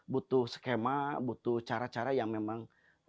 butuh skema butuh cara cara yang memang